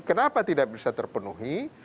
kenapa tidak bisa terpenuhi